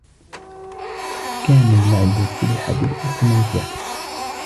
كان اللعب في الحديقة ممتعا.